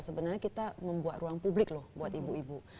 sebenarnya kita membuat ruang publik loh buat ibu ibu